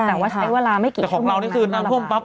แต่ว่าใช้เวลาไม่กี่ชั่วโมงนานแต่ของเรานี่คือน้ำพ่อมปั๊บ